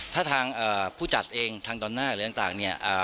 ถ้าทางผู้จัดเองททรัพย์บอลนาร์หรือต่าง